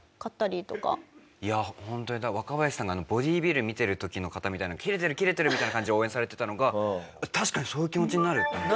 いやホントに若林さんがボディービル見てる時の方みたいな「キレてるキレてる！」みたいな感じで応援されてたのが確かにそういう気持ちになると思って。